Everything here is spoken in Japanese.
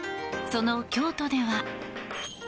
その京都では。